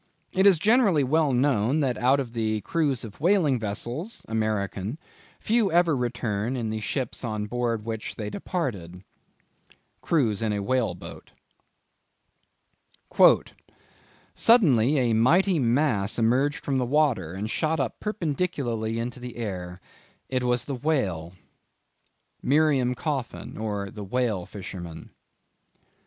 "It is generally well known that out of the crews of Whaling vessels (American) few ever return in the ships on board of which they departed." —Cruise in a Whale Boat. "Suddenly a mighty mass emerged from the water, and shot up perpendicularly into the air. It was the whale." —Miriam Coffin or the Whale Fisherman.